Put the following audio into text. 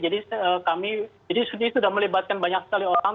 jadi kami jadi sudah melibatkan banyak sekali orang